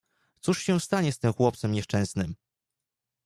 Cóż się stanie z tym chłopcem nieszczęsnym!